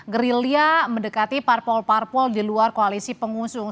gerilya mendekati parpol parpol di luar koalisi pengusung